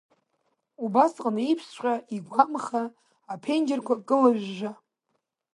Убасҟан еиԥшҵәҟьа игәамха, аԥенџьырқәа кылыжәжәа…